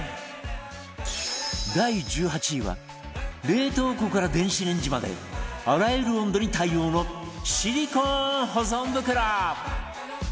第１８位は冷凍庫から電子レンジまであらゆる温度に対応のシリコーン保存袋